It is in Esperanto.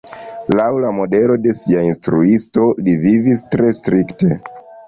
Laŭ la modelo de sia instruisto li vivis tre strikte.